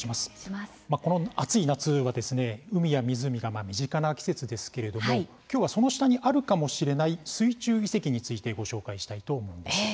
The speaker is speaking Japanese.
暑い夏は海や湖が身近な季節ですけれども今日はその下にあるかもしれない水中遺跡についてご紹介したいと思います。